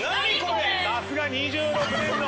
さすが２６年の。